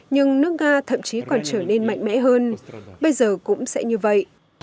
nhưng nước nga thậm chí còn trở nên mạnh mẽ hơn bây giờ cũng sẽ như vậy